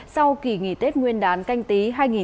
sau kỳ nghỉ tết nguyên đán canh tí hai nghìn hai mươi